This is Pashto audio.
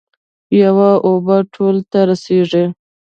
یوه اوبه ټولو ته رسیږي.